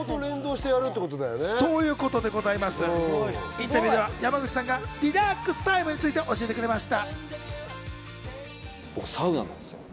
インタビューでは山口さんがリラックスタイムについて教えてくれました。